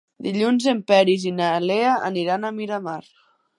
Dilluns en Peris i na Lea aniran a Miramar.